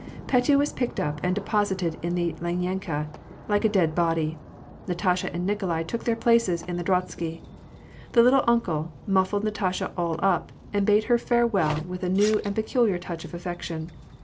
Petya was picked up and deposited in the lineika, like a dead body; Natasha and Nikolai took their places in the drozhsky. The "little uncle" muffled Natasha all up, and bade her farewell with a new and peculiar touch of affection.